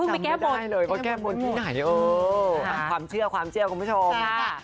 ยังจำไม่ได้เลยเพราะแก้ปนทุกอย่างโอ้โหความเชื่อความเชื่อกับผู้ชม